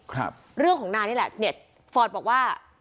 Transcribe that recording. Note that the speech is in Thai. ครับเรื่องของนางนี่แหละเน็ตฟอร์ดบอกว่า